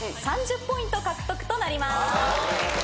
３０ポイント獲得となります。